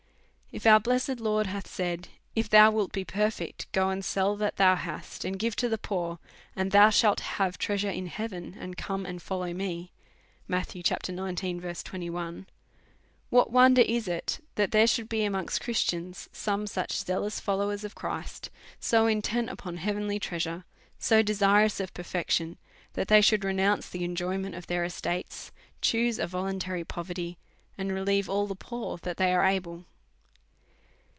If our blessed Lord hath said. If thou wilt be per H 98 A SERIOUS CALL TO A feet, go and sell that thou hast, and give to the poor^ and thou shalt have treasure in heaven, and come and follow me ; what wonder is it that there should be amongst Christians some such zealous followers of Christ, so intent upon heavenly treasure, so desirous of perfection, that they should renounce the enjoyment of their estates, choose a voluntary poverty, and re lieve all the poor that they are able